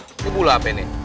itu bulu apa ini